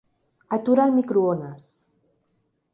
Atura el microones.